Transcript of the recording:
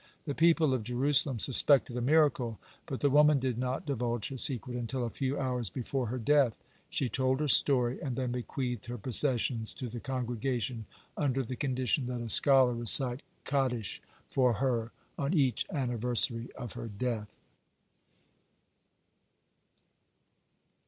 The people of Jerusalem suspected a miracle, but the woman did not divulge her secret until a few hours before her death. She told her story, and then bequeathed her possessions to the congregation, under the condition that a scholar recite Kaddish for her on each anniversary of her death.